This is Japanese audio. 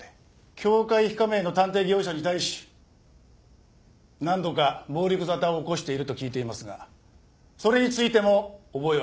協会非加盟の探偵業者に対し何度か暴力沙汰を起こしていると聞いていますがそれについても覚えはありませんか？